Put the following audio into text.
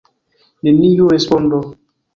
Neniu respondo!